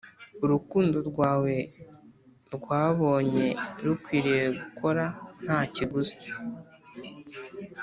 urukundo rwawe rwabonye rukwiriye gukora nta kiguzi.